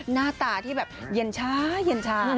หน้าตาที่แบบเย็นช้า